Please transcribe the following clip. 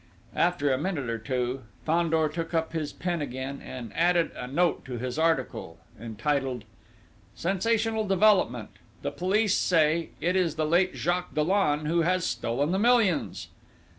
After a minute or two, Fandor took up his pen again, and added a note to his article, entitled: _Sensational development. The police say: "It is the late Jacques Dollon who has stolen the millions!"